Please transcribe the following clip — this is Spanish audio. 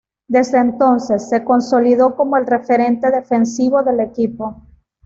Desde entonces, se consolidó como el referente defensivo del equipo.